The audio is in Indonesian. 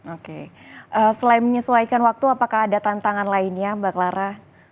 oke selain menyesuaikan waktu apakah ada tantangan lainnya mbak clara